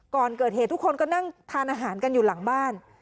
ก่อนเกิดเหตุทุกคนก็นั่งทานอาหารกันอยู่หลังบ้าน